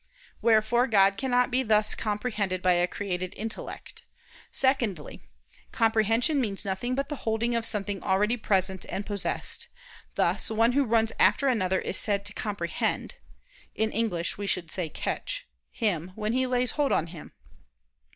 Wherefore God cannot be thus comprehended by a created intellect. Secondly, comprehension means nothing but the holding of something already present and possessed: thus one who runs after another is said to comprehend [*In English we should say 'catch.'] him when he lays hold on him.